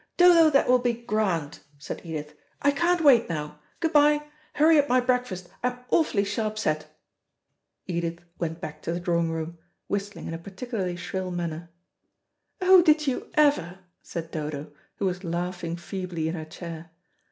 "Dodo, that will be grand," said Edith. "I can't wait now. Good bye. Hurry up my breakfast I'm awfully sharp set." Edith went back to the drawing room, whistling in a particularly shrill manner. "Oh, did you ever!" said Dodo, who was laughing feebly in her chair.